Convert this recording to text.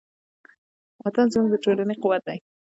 وطن زموږ د ټولنې قوت دی.